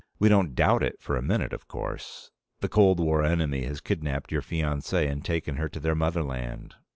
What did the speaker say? We don't doubt it for a minute, of course. The cold war enemy has kidnapped your fiancee and taken her to their motherland.